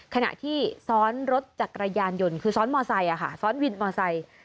ขณะที่ซ้อนรถจักรยานยนต์คือซ้อนมอไซค์ซ้อนวินมอไซค์